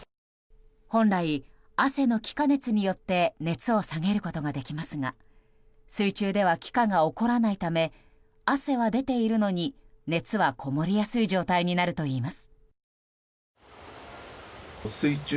更に、汗の気化熱によって熱を下げることができますが水中では気化が起こらないため汗は出ているのに、熱はこもりやすい状態になるといいます。